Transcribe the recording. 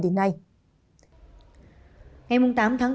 ngày tám tháng bốn